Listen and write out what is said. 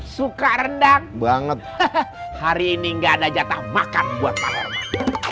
suka rendang banget hari ini enggak ada jatah makan buat pak herman